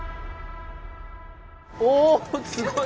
おおすごい！